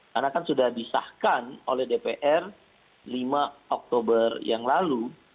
karena kan sudah disahkan oleh dpr lima oktober yang lalu